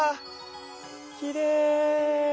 きれい。